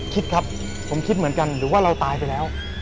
คิดครับผมคิดเหมือนกันหรือว่าเราตายไปแล้ว